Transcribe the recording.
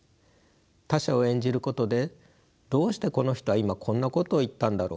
他者を演じることでどうしてこの人は今こんなことを言ったんだろう